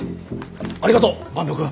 ありがとう坂東くん。